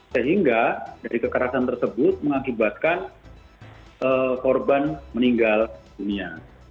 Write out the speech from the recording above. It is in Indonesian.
sehingga dari kekerasan tersebut mengakibatkan korban meninggal dunia